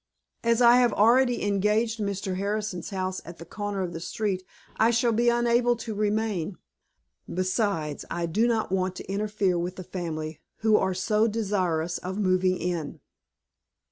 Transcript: "As I have already engaged Mr. Harrison's house, at the corner of the street, I shall be unable to remain. Besides, I do not want to interfere with the family who are so desirous of moving in."